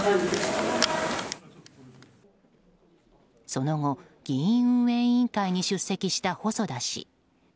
その後議院運営委員会に出席した細田氏。